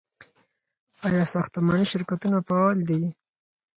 آیا ساختماني شرکتونه فعال دي؟